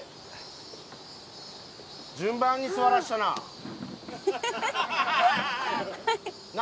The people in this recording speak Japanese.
順番に座らせたな。